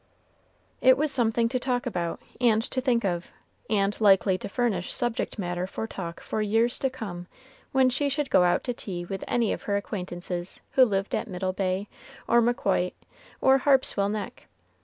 It was something to talk about and to think of, and likely to furnish subject matter for talk for years to come when she should go out to tea with any of her acquaintances who lived at Middle Bay, or Maquoit, or Harpswell Neck.